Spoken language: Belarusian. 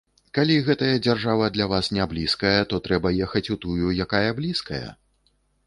Калі гэтая дзяржава для вас не блізкая, то трэба ехаць у тую, якая блізкая.